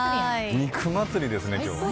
肉祭りですね、今日は。